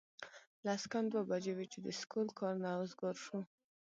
لس کم دوه بجې وې چې د سکول کار نه اوزګار شو